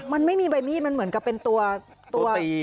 มันไม่มีใบมีดมันเหมือนกับเป็นตัว